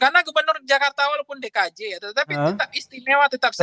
karena gubernur jakarta walaupun dkj tetapi tetap istimewa tetap seksi